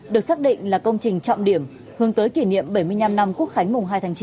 được xác định là công trình trọng điểm hướng tới kỷ niệm bảy mươi năm năm quốc khánh mùng hai tháng chín